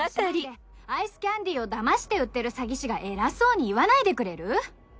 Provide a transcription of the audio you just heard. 「アイスキャンディーをだまして売ってる詐欺師が偉そうに言わないでくれる？」